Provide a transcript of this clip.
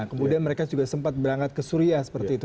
kemudian mereka juga sempat berangkat ke suriah seperti itu